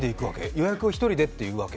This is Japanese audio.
予約を１人って言うわけ？